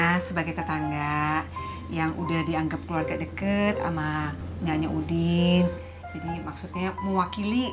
nah sebagai tetangga yang udah dianggap keluarga deket ama nyanya udin jadi maksudnya mewakili